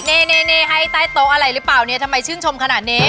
นี่ให้ใต้โต๊ะอะไรหรือเปล่าเนี่ยทำไมชื่นชมขนาดนี้